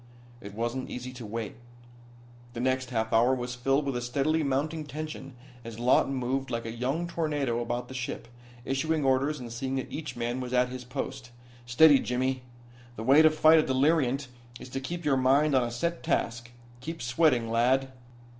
It wasn't easy to wait. The next half hour was filled with a steadily mounting tension as Lawton moved like a young tornado about the ship, issuing orders and seeing that each man was at his post. "Steady, Jimmy. The way to fight a deliriant is to keep your mind on a set task. Keep sweating, lad."